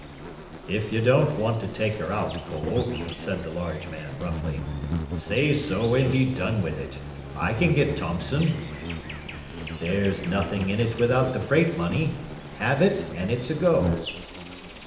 "If you don't want to take her out, Cole," said the large man, roughly, "say so and be done with it. I can get Thompson." "There's nothing in it without the freight money. Halve it and it's a go."